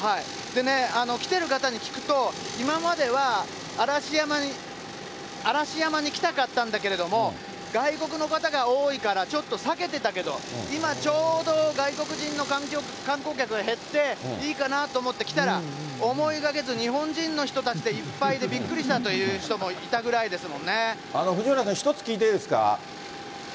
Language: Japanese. でね、来てる方に聞くと、今までは嵐山に来たかったんだけども、外国の方が多いから、ちょっと避けてたけど、今、ちょうど外国人の観光客が減って、いいかなと思って来たら、思いがけず日本人の人たちでいっぱいでびっくりしたという人もい藤村さん、１つ聞いていいですか。